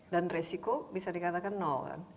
dan resiko bisa dikatakan nol kan